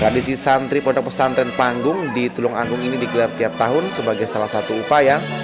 tradisi santri pondok pesantren panggung di tulung agung ini digelar tiap tahun sebagai salah satu upaya